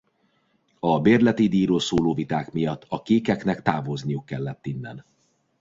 A bérleti díjról szóló viták miatt a Kékeknek távozniuk kellett innen.